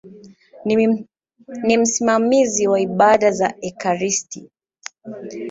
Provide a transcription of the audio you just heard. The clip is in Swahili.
Ni msimamizi wa ibada za ekaristi.